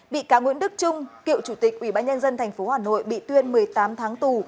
bị cáo nguyễn đức trung kiệu chủ tịch ủy ban nhân dân tp hà nội bị tuyên một mươi tám tháng tù